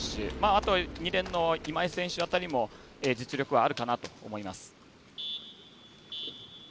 あと、２レーンの今井選手辺りも実力はあるかなと思います。